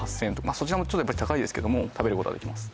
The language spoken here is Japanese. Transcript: そちらもちょっとやっぱり高いですけども食べることはできます